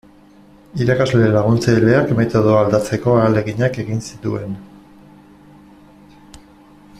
Irakasle laguntzaileak metodoa aldatzeko ahaleginak egin zituen.